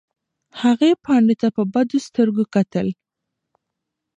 هغې پاڼې ته په بدو سترګو کتل.